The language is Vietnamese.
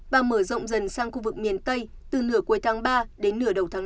và mở rộng dần sang khu vực miền tây từ nửa cuối tháng ba đến nửa đầu tháng năm